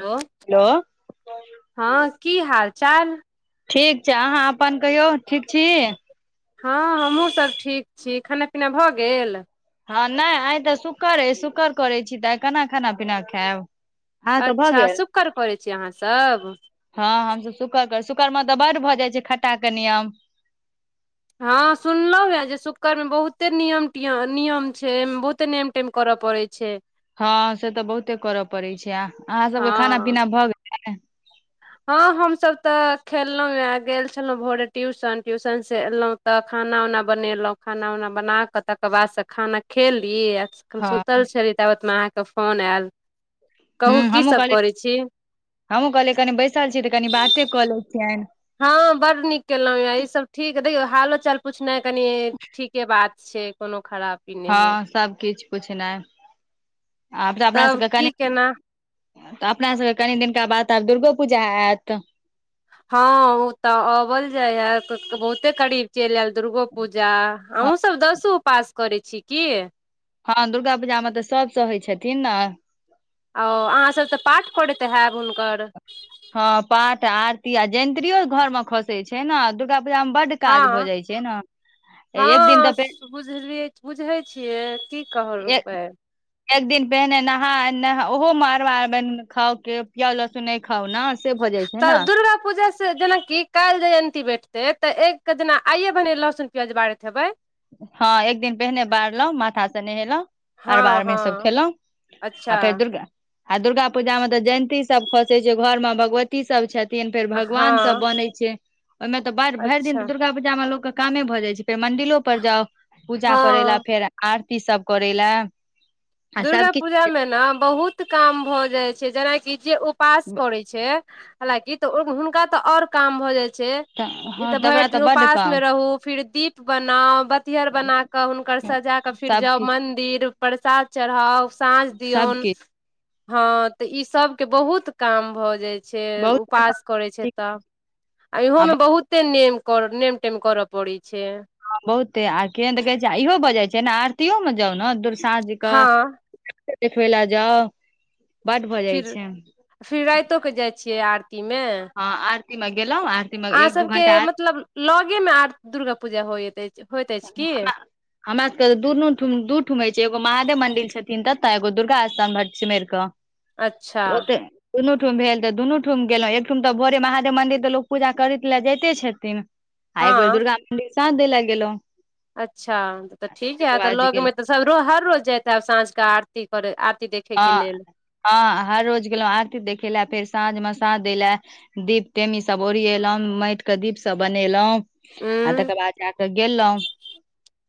Hello हँ की हाल चाल ठीक छैय अहाँ अपन कहियौ ठीक छी हँ हमहूँ सब ठीक छी खाना पीना भऽ गेल हँ नै आइ तऽ शुक्र अइ शुक्र करै छी तऽ आइ केना खाना पीना खाएब अच्छा शुकर करै छीयै अहाँसब हँ हमसब शुकर शुकरमे तऽ बड्ड भऽ जाइ छैय खट्टा के नियम हँ सुनलौ हे जे शुकर मे बहुते नियम टियम नियम छैय ए मे बहुते नेम टेम करऽ पड़ै छैय छैय हँ से तऽ बहुते करऽ पड़ै छै आ अहाँ सबके खाना हँ पीना भऽ गेल हँ हमसब तऽ खेलौं गेल छलौं भोरे ट्यूशन ट्यूशन स एलौं तऽ खाना उना बनेलौं खाना उना बनाकऽ तकर बाद स खाना खेलिए हम हँ सुतल छली ताबेत मे अहाँके फोन आयल कहू की सब करै छी हमूँ कहलियै कनी बैसल छीयै तऽ कनी बाते कऽ लै छियनि हँं बड नीक केलौं या इ सब ठीक देखियौ हालो चाल पूछनाए कनी ठीके बात छैय कोनो खराप हँ सबकिछ पुछनाइ आब तऽ अमरा तब सबके की कनि केना तऽ अपना सबके कनि दिनका बाद आब त दुर्गो पूजा एत हँ ओ तऽ अबल जाय या बहुते करीब चैल आयल दुर्गो पूजा अहु सब दसो उपास करै छीयै की हँ दुर्गा पूजा मे तऽ सब सहै छथिन न ओ अहाँसब तऽ पाठ करैत हैब हुनकर हँ पाठ आरती आ जंयत्रीयो घर म खसै छैय न दुर्गा पूजा मे बड्ड काज भ हँ जाइ छैय न एक दिन तऽ फे बुझलिय बुझै छियै की कहलबै एक दिन पहिने नहा नह ओहो मे अरबा अरबैन खाऊ के प्याज लहसुन नै खाउ न तऽ दुर्गा पूजा स जेनाकि काल्हि जयन्ती बैठते तऽ एक के जेना आई भने लहसुन प्याज बारैत हेबै हँ एक दिन पहिने बारलौ माथा से नहेलौ हँ अरबा अरबैन सभ हँ खेलौ आ फेर अच्छा दुर्गा आ दुर्गा पूजा मे तऽ जयन्ती सब खसै छै घर मे भगवती सब छथि [unintelligible] भगवान सब हँ बनै छै ओहिमे तऽ भरि दिन अच्छा तऽ दुर्गा पूजा मे लोक कामे भऽ जाइ छै फेर मंडिलो पर जाउ पूजा करै ला हँ फेर आरती सब करै लए दुर्गा पुजामे न बहुत काम भऽ जाइ छै जेनाकि जे ओ पास करै छै हालकि तऽ ओइ मऽ हुनका तऽ आओर काम भऽ जाइ छै ई हँ तऽ तकरा भैर दिन बड्ड उपास काम मऽ रहू फिर दीप बनाउ बतिहर बना कऽ हुनकर सजा कऽ फिर जाउ सबकिछु मंदिर प्रसाद चढ़ाउ साँझ दियऔन सबकिछु हँ तऽ इ सब केँ बहुत काम भऽ जाय छै उपास करै छै तऽ आ इहो मे बहुते नेम कर नेमटेम करऽ पड़े छै हँ बहुते आ केहन तऽ कहै छै आ इहो भऽ जाय छै नऽ आरतीयो मऽ जाउ नऽ दूर साँझ कऽ हँ [unintelligible] देखबै लऽ जाउ बड्ड भऽ फिर जाइ छै फिर राइतो कऽ जाइ छियै आरतीमे हँ आरती मऽ गेलै आ अहाँ सभ केँ मतलब लगे मे आर दुर्गा पूजा होइत अछि होइत अछि की हमरा सब केँ तऽ दुनू ठूम - दू ठुम होइ छै एगो महादेव मंदिर छथिन तेतऽ एगो दुर्गा स्थान भटसिमैर कऽ अच्छा तऽ ओतय दुनू ठूम भेल तऽ दुनू ठूम गेलहुँ एक ठूम तऽ भोरे महादेव मन्दिर तऽ लोक पूजा करैत लऽ जाइते छथिन आ एक बेर हँ दुर्गा मंदिर साँझ दैय लऽ गेलैहुँ अच्छा तऽ ठीक है तऽ बाद जे लग गेलहुँ मे तऽ सब रोज - हर रोज जाइत हैब साँझ कऽ आरती करै आरती देख हँ - हँ हर रोज गेलहुँ आरती देखे लऽ फेर साँझ मऽ साँझ दै लऽ दीप टेमी सब ओरएलहुँं माइट कऽ दीप सब बनेलहुॅं आ उंम्म तकर बाद जा कऽ गेलहुँ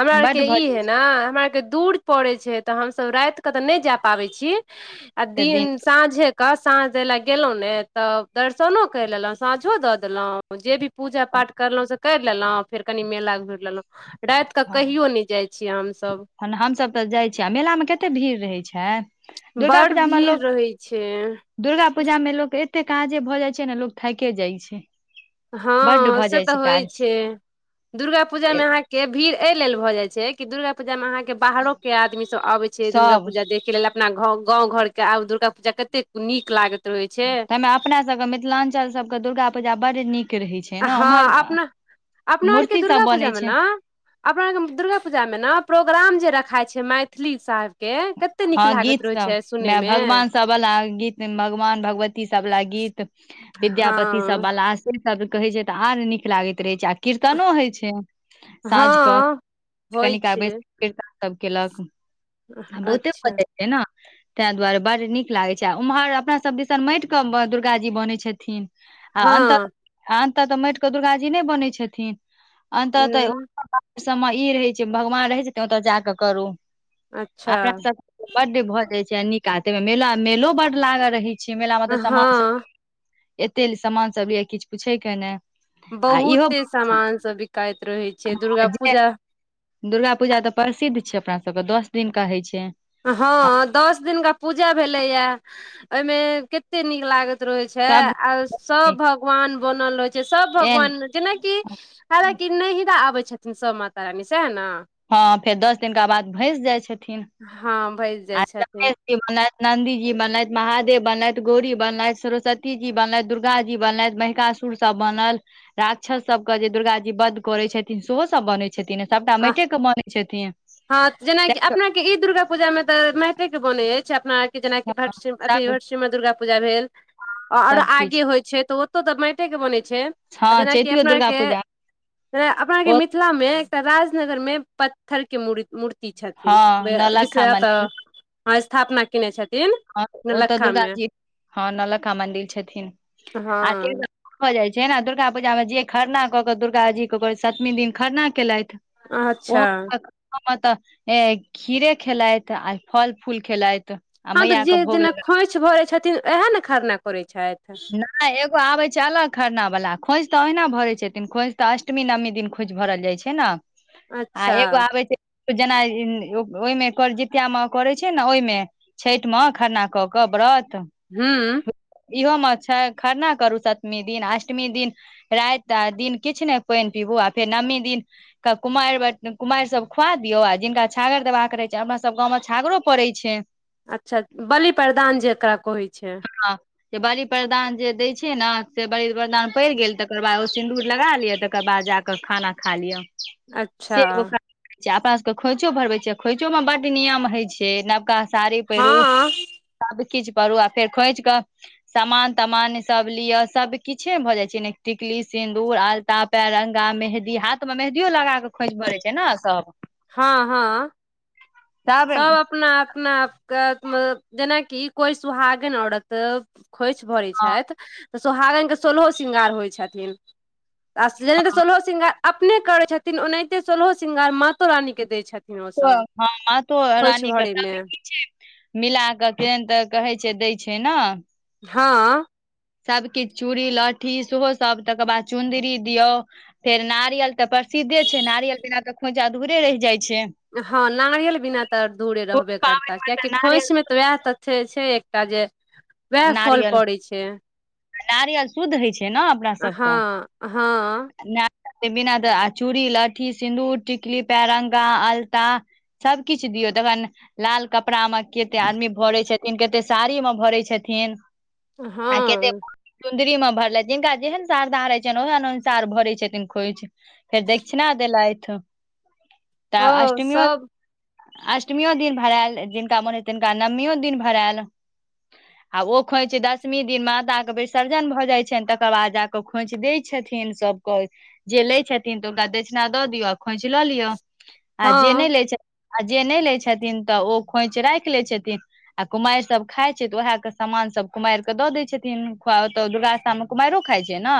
हमरा बड्ड आरकेँ भऽ ई जाइ है छै नऽ हमरा आरकेँ दूर परै छै तऽ हमसब राइत कऽ तऽ नय जेय पावैय छी आ दिन साँझे कऽ साँझ दै लेऽ गेलहुॅं ने तब दर्शनो कैर लेलहुँ साँझो दऽ देलहुॅं जे भी पूजा पाठ करलहुँ से कैर लेलहुँ फेर कनि मेला घुइर लेलहुँ राइत तऽ हँ कहियो नय जाइ छी हमसभ हन हमसभ तऽ जाइ छी आ मेला मऽ कते भीड़ रहै छै दुर्गा बड़ पजा मऽ भीड़ लोक रहै छै दुर्गा पूजा मे लोक एते काजे भऽ जाइ छै नऽ लोक थाइके जाइ छै बड्ड हँ भऽ से जाइ तऽ होइ काज छै दुर्गा पूजामे अहाँकेँ भीड़ ऐ लेल भऽ जाइ छै कि दुर्गा पूजा मे अहाँकेँ बाहरो केँ आदमी सब अबै छै दुर्गा सभ पूजा देखै लेल आ अपना घ - गाँव घर केँ आब दुर्गा पूजा कतेक नीक लागैत रहै छै ताहिमे अपना सबके मिथिलांचल सब कऽ दुर्गापूजा बड्ड नीक रहै छै ने ओम्हर हँ अपना - अपना आर केँ मूर्ति सब दुर्गा बनै पूजामे छै नऽ अपना आर केँ दुर्गा पूजा मे नऽ प्रोग्राम जे रखाय छै मैथिली साहेब केँ के हँ गीत सब मै भगवान सब बला गीत भगवान भगवती सबवला गीत विद्यापति हँ सबवाल से सब कहै छै तऽ आर नीक लागैत रहै छै आ कीर्तनो होइ छै साँझ कऽ हँ होइ कनि काल छै बैस कऽ किर्तन सभ केलक [unintelligible] ओते भऽ जाय छै नऽ तैय दुआरे बड्ड नीक लागे छै आ उम्हर अपना सब दिसन माटि कऽ ब - दुर्गा जी बनै छथिन आ हँ अन्तः - अन्तः तऽ माटिकेँ दुर्गा जी नय बनै छथिन अन्तः तऽ उ बाहर सममे ई रहै छै भगवान रहै छै ओतऽ जा कऽ करू अच्छा अपना सब बड्ड भऽ जाइ छै आ निका आ तैय मे मेला - मेलो बड्ड लागल रहैत छै मेलामे तऽ सामान सब हँ एते सामान सब लिय किछ पूछे कऽ नय बहुते सामान सब बिकाइत रहे छै आ दुर्गा जे पूजा दुर्गा पूजा तऽ प्रसिद्ध छै अपना सभ कऽ दस दिन का होइ छै आ हँ दस दिन का पूजा भेलैया ओई मे केते नीक लागत रह छै सब आ सब भगवान बनल रहय छै सब एहन भगवान जेनाकि हालांकि नैहरा आबै छथिन सब माता रानी सएह न हँ फेर दस दिनका बाद भइस जाइ छथिन हँ भैस आ जाइ छथिन। गणेश बनलथि नन्दी जी बनलथि महादेव बनलथि गौरी बनलथि सरस्वती जी बनलथि दुर्गा जी बनलथि महि सा सुर सब बनल राक्षस सब क जे दुर्गा जी वध करे छथिन सेहो सब बनै छै छथि सबटा आ मैटे के बनै छथिन हँ जेनाकि अपना के ई दुर्गा पूजा मे तऽ मैटे के बने अछि अपना जेनाकि हँ भटसिम अथी सब भटसिमर दुर्गा पूजा भेल आ आर आगे सबकिछ होइ छै तऽ ओ ओतऽ तऽ मैटे के बनै छै आ हँ जेनाकि चैतियो अपना आर दुर्गा के पूजा अपना आर के ओ मिथिला मे तऽ राजनगर मे पत्थर के म मूर्ति छथिन हँ विष नौलक्खा अत मंदिर हँ स्थापना केने छथि हँ ओ तऽ दुर्गा जी हँ नौलखा मंदिर छथिन आ हँ हो जाइ छै न दुर्गा पूजा मे जे खरना कऽ कऽ दुर्गा जी के सतमी दिन खरना केलथि अच्छा ओ [unintelligible] हम तऽ ए खीरे खेलथि आ फल फूल खेलथि आ हँ तऽ मैया जे के भोग जेना लग खोंइछ भरै छथिन उएह ने खरना करै छथि आ एगो आबे छै अलग खरना वला खोंइछ तऽ ओहिना भरे छथिन खोज तऽ अष्टमी नवमी दिन खोइछ भरल जाइ छै ने आ अच्छा एगो आबै छय जेना ओहिमे जितियामे करै छै ने ओइमे छठि मे खरना कऽ कऽ व्रत हूं इहोमे छै खरना करू सतमी दिन अष्टमी दिन राति आ दिन किछ नय पानि पीबू आ फेर नवमी दिन कुमारि बट कुमारि सब खुआ दियौ आ जिनका छागर देबाक रहैत छै हमरा सभ गांव मे छागरो पड़ै छै अच्छा बलि प्रदान जेका कहै छै हँ जे बलि प्रदान जे दय छै न से बली प्रदान पड़ि गेल तकर बाद ओ सिंन्दूर लगा लिय तकर बाद जाक कऽ खाना खा लिअ से अच्छा एगो ख अपना सब के खोइछो भरवै छै खोइछो मे बड नियम होय छै नवका साड़ी पहिरु हँ सबकीछ करु आ फेर खोइछ कऽ सामान तामान सब लिअ सभकिछे भऽ जाइ छै टिकली सिन्दूर आलता पैरंगा मेहदी हाथ मे मेहदियो लगा क खोंइछ भड़य छै ने सब हँ हँ तब सब अपना अपना आप क जेनाकि कोइ सुहागन औरत खोइछ भरै हँ छथि तऽ सोहागनके सोलहो श्रींगार होय छथिन आ जेनाहिते सोलहो श्रृंगार अपने करैत छथिन ओनाहिते सोलहो श्रृंगार मातो रानीके दैत छथिन छथिन तो ओसभ हँ मातो खोइछ रानी के भरे सब मे कीछे मिला कऽ केहन तऽ कहै छै दै छै न हँ सब कीछ चूड़ी लहठी सेहो सब तकर बाद चुन्दरी दियौ फेर नारियल तऽ प्रसिद्धे छै नारियल बीना तऽ खोंइछ अधूरे रहि जाइ छै हँ नारियल बिना तऽ अधूरे ओ रहबे करता पाबनिमे तऽ कियाकि नारियल खोंइछ मे तऽ वएह त छै छै एकटा जे वएह फल नारियल पड़ै छै नारियल शुद्ध होइ छै न अपना हँ हँ सभक ना बिना दऽ आ चूड़ी लहठी सिन्दूर टिकली पैररंगा अलता सबकिछ दियौ दखन लाल कपड़ा मे केते आदमी भरै छथिन केते साड़ी मे भरै छथिन आ केते हँ चुन्दरी मे भरलथि जिनका जेहन श्रधा रहै छनि ओहन अनुसार भरै छथिन खोइछ फेर दक्षिणा देलथि तऽ हँ अष्टमीयो सब अष्टमियो दिन भरायल जिनका मोन हएतै तिनका नओमियो दिन भरायल आ ओ खोंइछ दसमी दिन मादा के विसर्जन भए जाय छनि तकर बाद जाके खोंइछ देय छथिन सबक जे लै छथिन तऽ हुनका दक्षिणा दऽ दियऔन आ खोइछ लऽ लिअ आ हँ जे नै लय छथि आ जे नै लै छथिन तऽ ओ खोंइछ राखि लै छथिन आ कुमारि सब खाय छै तऽ ओएह क सामान सब कुमारि कऽ दऽ दै छथिन ओतऽ दुर्गास्थानमे कुमारि खाइ छै न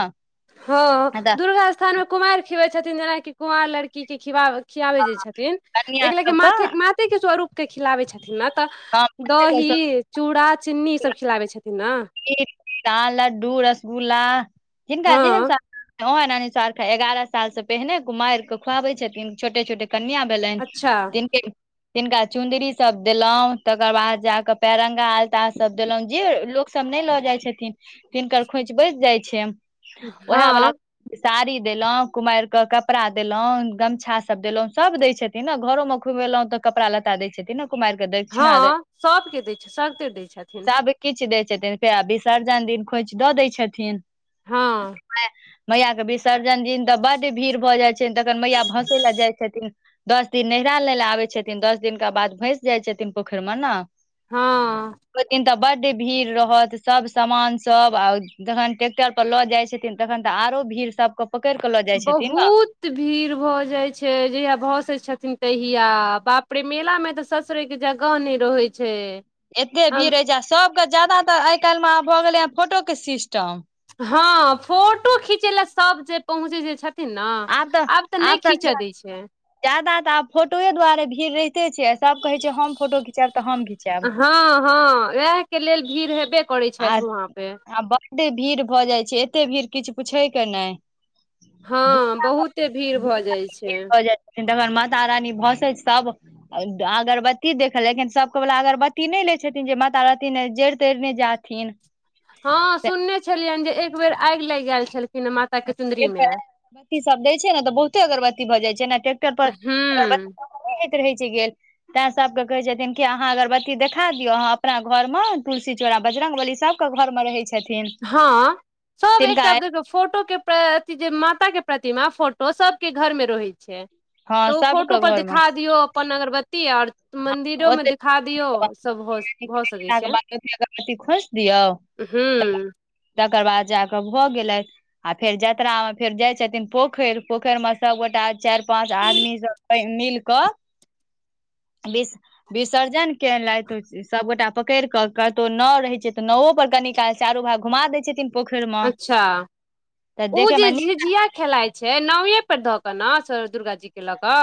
हँ दुर्गा स्थानमे कुमारि खिआबै छथिन जेनाकि कुवारि लड़कीके खिआब खियाबै जे छथिन कनिया एक लेखे माथे माते के स्वरूप के खिलाबै छथिन न तऽ दही सबके चूड़ा चीनी ई सब खिलाबै छथिन न [unintelligible] लड्डू रसगुल्ला जिनका जेहन हँ सध्दा हँ नानी [unintelligible] एगारह साल से पहिने कुमारिक के खुआवे छथिन छोटे छोटे कन्य भेलनि अच्छा तिनके तिनका चुंदरी सब देलौ तकर बाद जाक पेरंगा आलता सब देलौ जे लोक सब नै लऽ जाय छथिन तिनकर खोछ बैच जाइ छै ओएह बला हँ साड़ी देलौ कुमारि क कपड़ा देलौ गमछा सब देलौ सब दै छथिन तै न घरो मे खुएलहुँ तऽ कपड़ा लता दै छथिन न कुमारी के दै हँ दक्षिणा सबके दै छै सैगतर दै छथिन किछ दै छथिन रुपेया आ विसर्जन दिन खोइछ दऽ दै छथिन हँ मैया के विसर्जन दिन तऽ बड भीड़ भऽ जाइ छनि तखन मैया भसै लए जाइ छथिन दस दिन नैरा लै लए आबै छथिन दस दिनका बाद भैस जाइ छथिन पोखरिमे न हँ ओ दिन तऽ बड्ड भीड़ रहत सब समान सब आ जखन ट्रेक्टर प लऽ जाइ छथिन तखन तऽ आरो भीड़ सबक बहुत भीड़ भऽ जाइ छै जहिया भसै छथिन तहिया बाप रे मेला मे तऽ सस ससरै के जगह नै रहै छै एते भीड़ हम रहय छै सबके जाद तर आइ काल्हि मे भऽ गेलै हँ फोटो के सिस्टम हँ फोटो खींचै लऽ सब जे पहुँचे जे छथि न आब तऽ नै खीचऽ दै छै जादा तऽ आब फोटोए दुआरे भीड़ रहिते छै सब कहै छै हम फोटो घिचाब तऽ हम घिचाब हँ हँ वएह के लेल भीड़ हेबे करै छथि वहाँ पे आ बड्ड भीड़ भऽ जाइ छै एते भीड़ किछु पूछय के नै हँ बहुते भीड़ भऽ जाइ छै ति घर म तारानी बहुत से सब [unintelligible] अगरबती देख लेकिन सबके वला अगरबत्ती नै लै छथिन जे माता रहथीन जैड़ तरिने जा थीन हँ सुनने छलियनि जे एक बेर आगि लागि गेल छलखिन माता के चुन्दरी मे अरबत्ती सब दै छै ने तऽ बहुते अगरबती भऽ जाइ छै ने ट्रैक्टर पर अगरबती हूँ नै होइत रहै छै गेल तैं सबके कहे छथिन कि अहाँ अगरबत्ती देखा दियौ अहाँ अपना घर मे तुलसी चोरा बजरंगबली सब घर मे रहै छै हँ [inaudible] सब एकटा देखियो फोटो केँ अथी जे माता केँ प्रतिमा फोटो सब केँ घर मे रहै छै तऽ हँ ओ फोटो सबके पर घर मे दिखा दियौ अपन अगरबत्ती और तऽ मन्दिरोमे ओते देखा दियौ सभ भऽ भऽ सकै घंटा के छै बाद अगरबत्ती खोसि दियौ [inaudible] हूँ तकर बाद जा कऽ भऽ गेलै आ फेर जातरा मे फेर जाय छथिन पोखर पोखर में सबगोटा चार पांच आदमी सब मिल कऽ [inaudible] विस विसर्जन केलथि सबगोटा पकड़ कऽ कतै नाव रहै छै तऽ नावो पर कनी काल चारू भाग घुमा दय छथिन पोखरि मे अच्छा तऽ [inaudible] ओ देखे जे मे नीक झिझिया खेलाइत छै नावए पर धऽ कऽ न दुर्गा जी कऽ लऽ कऽ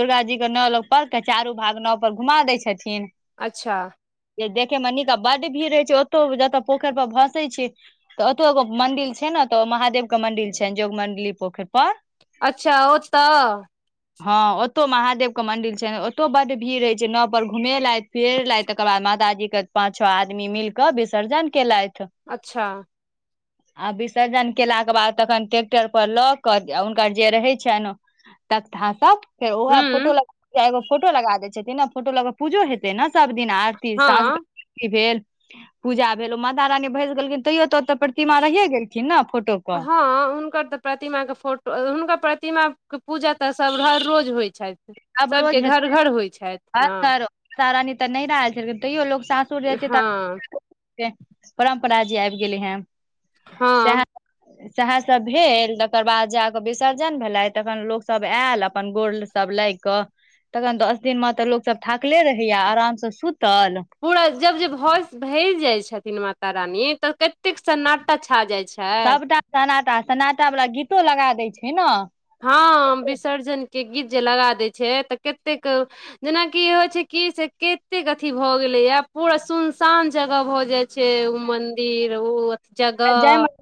दुर्गा जी कऽ नाव लो पर तऽ चारू भाग नाव पर घुमा दै छथिन अच्छा जे देखे मे निका बड भीड़ रहै छै ओतौ जतय पोखर पर भसै छै तऽ ओतो एगो मंदिल छै ने तऽ महादेव कऽ मंदिल छैनि जोग मंडली पोखर पर अच्छ ओ तऽ हँ ओतो महादेव के मंदिर छैन ओतौ बड्ड भीड़ रहय छै नाव पर घूमे लैत पीहिलैथ तकर बाद माताजी कऽ पांच छओ आदमी मिल कऽ विसर्जन कैलेथ अच्छा [inaudible] आ विसर्जन केला कऽ बाद तखन ट्रैेक्टर पर लऽ कऽ हुनकर जे रहै छैन तकथा सब फेर उह फोटो हूँ लग एगो फोटो लगा दय छथिन ने फोटो लग पूजो हेतै न सभ दिन आरती साँझ कऽ हँ आरती भेल पूजा भेल ओ माता रानी भस गेलखिन तैयो तऽ ओ तऽ प्रतिमा रहियए गेलखिन न फोटो पर हँ हुनकर तऽ प्रतिमाक फोटो हुनका प्रतिमाक पूजा तऽ सभ हर रोज होइ छैथ आब रोज हेतै ने [unintelligible] हँ परम्परा जे आबि गेलै है [inaudible] सेहा हँ सेहे सब भेल तकर बाद जाके विसर्जन भेले तखन लोक सब आयल अपन गोर सब लाग कऽ तखन दस दिन मे तऽ लोको सब थाकले रहैया आराम सऽ सुतल पूरा जब जे भ भज जाय छथिन माता रानी तऽ कते सन्नाटक छा जाय छै सबटा सनाटा सनाटा वला गीतो लगा दै छै न हँ विसर्जन केँ गीत जे लगा दै छै तऽ कतेक जेनाकि होय छै की से कतेक अथी भए गेले या पूरा सुनसान जगह भऽ जाय छै ओ मंदिर ओ अथी जगह जायमे